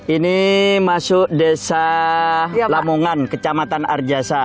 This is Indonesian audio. ini masuk desa lamongan kecamatan arjasa